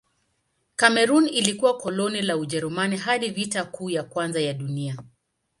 Kamerun ilikuwa koloni la Ujerumani hadi Vita Kuu ya Kwanza ya Dunia.